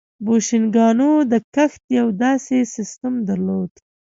بوشنګانو د کښت یو داسې سیستم درلود.